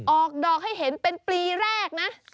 ออกดอกให้เห็นเป็นปีแรกนะ